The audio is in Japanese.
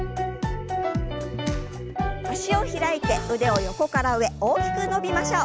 脚を開いて腕を横から上大きく伸びましょう。